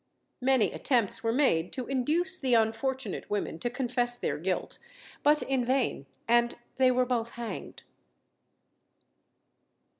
Many attempts were made to induce the unfortunate women to confess their guilt; but in vain, and they were both hanged.